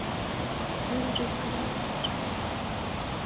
Болей жа і сказаць няма чаго.